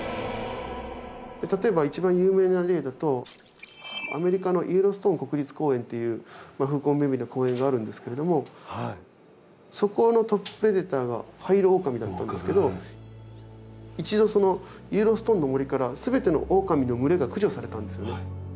例えば一番有名な例だとアメリカのイエローストーン国立公園っていう風光明美な公園があるんですけれどもそこのトッププレデターがハイイロオオカミだったんですけど一度そのイエローストーンの森から全てのオオカミの群れが駆除されたんですよね。